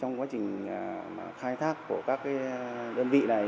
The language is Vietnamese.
trong quá trình khai thác của các đơn vị này